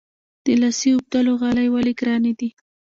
د لاسي اوبدلو غالۍ ولې ګرانې دي؟